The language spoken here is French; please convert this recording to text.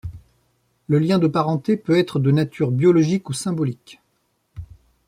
Le lien de parenté peut être de nature biologique ou symbolique.